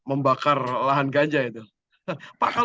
pak kalau bakar lahan ganja itu apa yang bisa kita lakukan